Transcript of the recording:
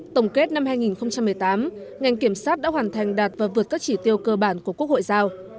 tổng kết năm hai nghìn một mươi tám ngành kiểm sát đã hoàn thành đạt và vượt các chỉ tiêu cơ bản của quốc hội giao